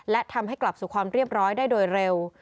และทำให้กลับสู่ความเรียบร้อยได้โดยเร็ว